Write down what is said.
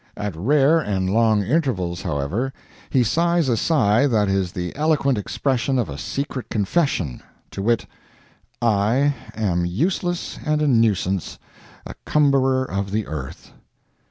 At rare and long intervals, however, he sighs a sigh that is the eloquent expression of a secret confession, to wit "I am useless and a nuisance, a cumberer of the earth."